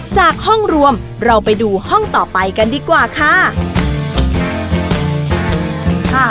จากห้องรวมเราไปดูห้องต่อไปกันดีกว่าค่ะ